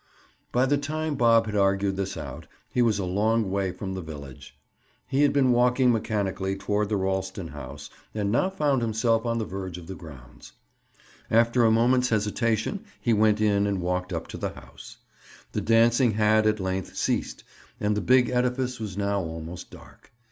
By the time Bob had argued this out, he was a long way from the village. He had been walking mechanically toward the Ralston house and now found himself on the verge of the grounds. After a moment's hesitation, he went in and walked up to the house. The dancing had, at length, ceased and the big edifice was now almost dark.